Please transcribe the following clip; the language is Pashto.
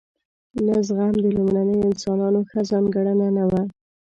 نه زغم د لومړنیو انسانانو ښه ځانګړنه نه وه.